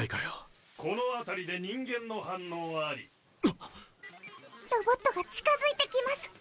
・この辺りで人間の反応あり・ロボットが近づいてきます。